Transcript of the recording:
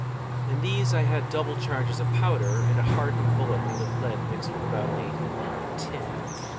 In these I had double charges of powder and a hardened bullet made of lead mixed with about an eighth part of tin.